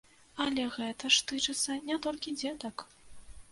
Але гэта ж тычыцца не толькі дзетак!